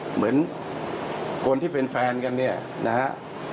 เหมือนคนที่เป็นแฟนกันเนี่ยนะฮะ